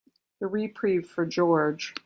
The reprieve for George.